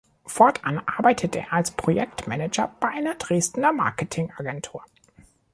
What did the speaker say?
Fortan arbeitete er als Projektmanager bei einer Dresdener Marketing-Agentur.